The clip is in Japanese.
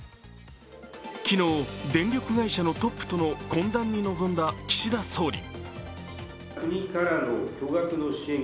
昨日、電力会社のトップとの会談に臨んだ岸田総理。